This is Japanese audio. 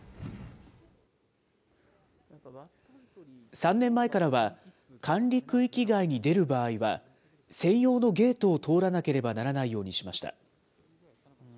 ３年前からは、管理区域外に出る場合は、専用のゲートを通らなければならないようにしました。